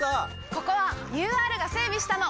ここはＵＲが整備したの！